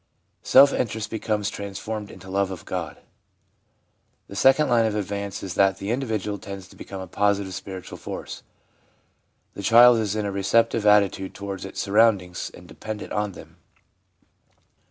Self interest becomes trans formed into love of God. The second line of advance is that the individual tends to become a positive, spiritual force. The child is in a receptive attitude towards its surroundings and dependent on them.